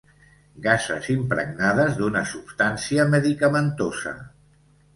Gases impregnades d'una substància medicamentosa.